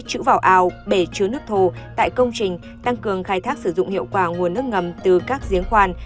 chữ vỏ ao bể chứa nước thô tại công trình tăng cường khai thác sử dụng hiệu quả nguồn nước ngầm từ các giếng khoan